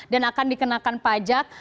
dan akan dikenakan pajak